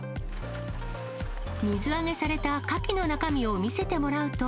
水揚げされたカキの中身を見せてもらうと。